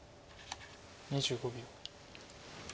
２５秒。